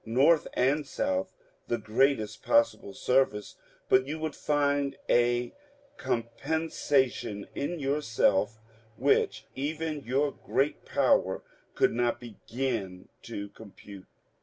North and South, the greatest possible service, but you would find a compensation in yourself which even your great power could not begin to compute.